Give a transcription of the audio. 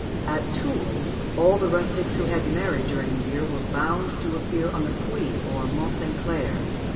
At Tulle, all the rustics who had married during the year were bound to appear on the Puy or Mont St. Clair.